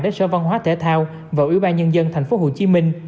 đến sở văn hóa thể thao và ủy ban nhân dân tp hcm